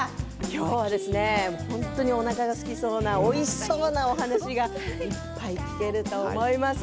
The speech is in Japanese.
今日はですね、本当におなかがすきそうなおいしそうなお話がいっぱい聞けると思います。